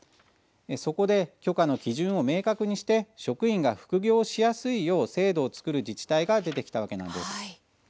そこで許可の基準を明確にして職員が副業しやすいよう制度を作る自治体が出てきたわけなんです。